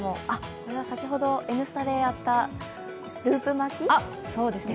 これは先ほど「Ｎスタ」でやったループ巻きですね。